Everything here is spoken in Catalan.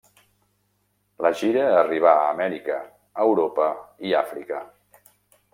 La gira arribà a Amèrica, Europa i Àfrica.